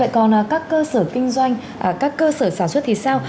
còn các cơ sở kinh doanh các cơ sở sản xuất thì sao